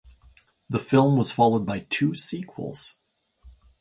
The film was followed by two sequels.